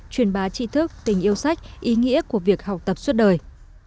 truyền bá chi thức tình yêu sách ý nghĩa của việc học tập suốt đời